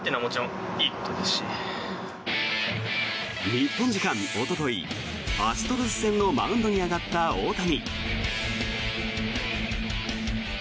日本時間おとといアストロズ戦のマウンドに上がった大谷。